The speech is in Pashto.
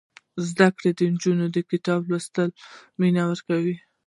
زده کړه نجونو ته د کتاب لوستلو مینه ورکوي.